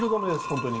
本当に。